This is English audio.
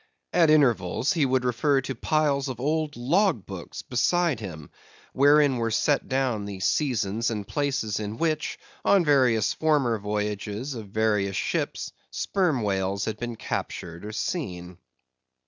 At intervals, he would refer to piles of old log books beside him, wherein were set down the seasons and places in which, on various former voyages of various ships, sperm whales had been captured or seen.